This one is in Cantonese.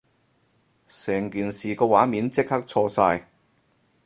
成件事個畫面即刻錯晒